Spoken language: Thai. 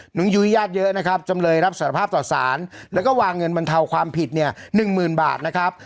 ยุ้ยญาติเยอะนะครับจำเลยรับสารภาพต่อสารแล้วก็วางเงินบรรเทาความผิดเนี่ยหนึ่งหมื่นบาทนะครับ